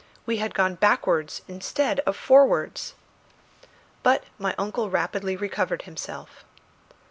We had gone backwards instead of forwards! But my uncle rapidly recovered himself.